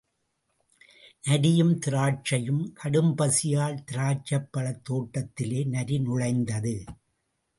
நரியும் திராட்சையும் கடும்பசியால் திராட்சைப்பழத் தோட்டத்திலே நரி நுழைந்தது.